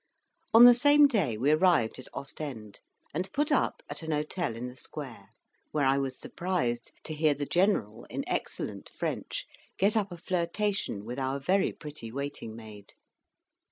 On the same day we arrived at Ostend, and put up at an hotel in the square; where I was surprised to hear the General, in excellent French, get up a flirtation with our very pretty waiting maid.